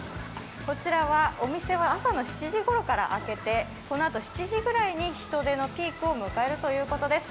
こちらはお店は朝の７時ごろから開けて、このあと７時ぐらいに人出のピークを迎えるということです。